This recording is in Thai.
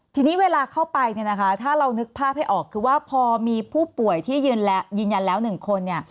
ทีนี้เวลาเข้าไปถ้าเรานึกภาพให้ออกคือว่าพอมีผู้ป่วยที่ยืนยันแล้ว๑คน